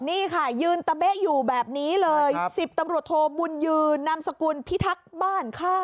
นี่ค่ะยืนตะเบ๊ะอยู่แบบนี้เลย๑๐ตำรวจโทบุญยืนนามสกุลพิทักษ์บ้านค่า